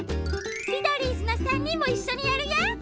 ミドリーズの３にんもいっしょにやるよ！